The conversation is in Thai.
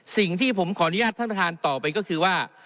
สิ่งที่ผมขออนุญาตท่านประธานต่อไปก็คือว่า